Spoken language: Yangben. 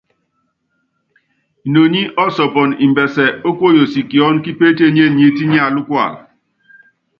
Inoní ɔsɔɔpɔn ɛmbɛsɛ o kuoyosi kiɔ́n kipeetenyé niít niálɛ́kualɛ.